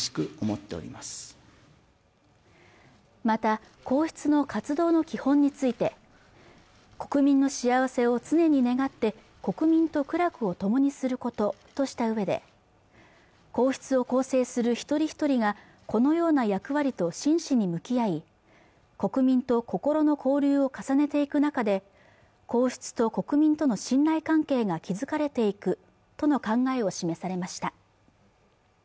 また皇室の活動の基本について国民の幸せを常に願って国民と苦楽を共にすることとしたうえで皇室を構成する一人ひとりがこのような役割と真摯に向き合い国民と心の交流を重ねていく中で皇室と国民との信頼関係が築かれていくとの考えを示されました